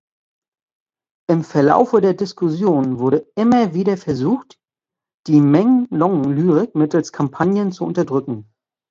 Im Verlaufe der Diskussion wurde immer wieder versucht, die Menglong-Lyrik mittels Kampagnen zu unterdrücken.